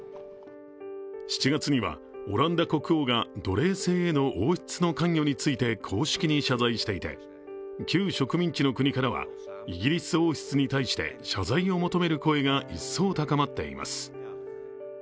７月にはオランダ国王が奴隷制への王室の関与について公式に謝罪していて、旧植民地の国からはイギリス王室に対して、謝罪を求める声が一層高まっています。